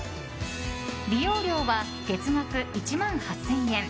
利用料は月額１万８０００円。